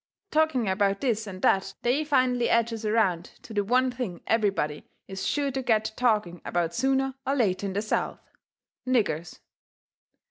Talking about this and that they finally edges around to the one thing everybody is sure to get to talking about sooner or later in the South niggers.